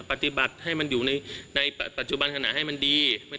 ปฏิบัติให้มันอยู่ในปัจจุบันขณะให้มันดี